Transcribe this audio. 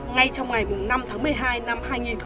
ngay trong ngày năm tháng một mươi hai năm hai nghìn một mươi bảy